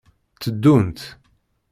Tteddunt.